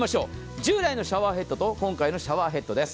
従来のシャワーヘッドと今回のシャワーヘッドです。